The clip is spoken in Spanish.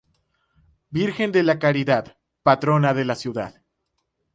Virgen de la Caridad, patrona de la ciudad